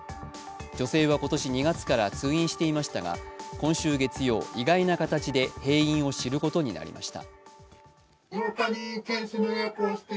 女性は今年２月から通院していましたが、今週月曜、意外な形で閉院を知ることになりました。